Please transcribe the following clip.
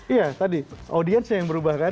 iya tadi audiensnya yang berubah kan